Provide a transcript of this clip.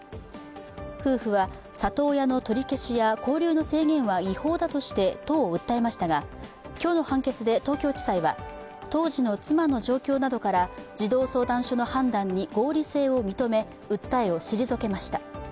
夫婦は里親の取り消しや交流の制限は違法だとして都を訴えましたが、今日の判決で東京地裁は当時の妻の状況などから児童相談所の判断に合理性を認め、訴えを退けました。